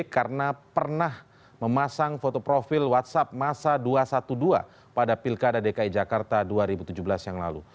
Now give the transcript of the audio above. karena pernah memasang foto profil whatsapp masa dua satu dua pada pilkada dki jakarta dua ribu tujuh belas yang lalu